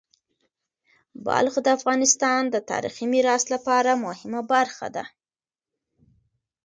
بلخ د افغانستان د تاریخی میراث لپاره مهمه برخه ده.